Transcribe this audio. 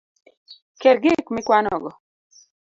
Kel gik mikwanogo